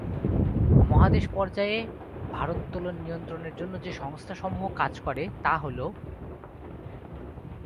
মহাদেশ পর্যায়ে ভারোত্তোলন নিয়ন্ত্রণের জন্য যে সংস্থা সমূহ কাজ করে তা হলঃ